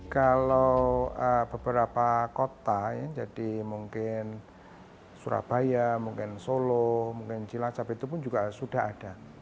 kalau beberapa kota ya jadi mungkin surabaya mungkin solo mungkin cilacap itu pun juga sudah ada